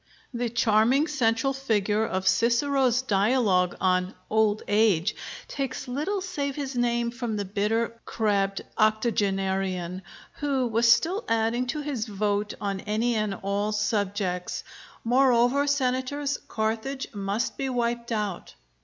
The charming central figure of Cicero's dialogue on 'Old Age' takes little save his name from the bitter, crabbed octogenarian, who was still adding to his vote on any and all subjects, "Moreover, Senators, Carthage must be wiped out."